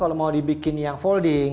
kalau mau dibikin yang folding